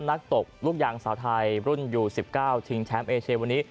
ตบลูกยางสาวไทยรุ่นอยู่๑๙ชิงแชมป์เอเชียวันนี้